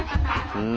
うん。